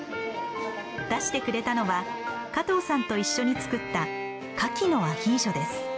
出してくれたのは加藤さんと一緒に作ったカキのアヒージョです。